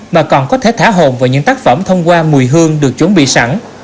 mà còn có thể thả hồn vào những tác phẩm thông qua mùi hương được chuẩn bị sẵn